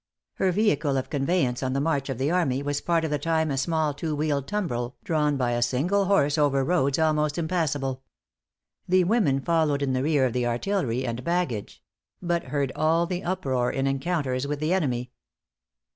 Her vehicle of conveyance on the march of the army, was part of the time a small two wheeled tumbril, drawn by a single horse over roads almost impassable. The women followed in the rear of the artillery and baggage; but heard all the uproar in encounters with the enemy.